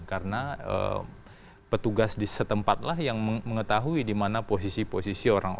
karena petugas di setempat lah yang mengetahui di mana posisi posisi orang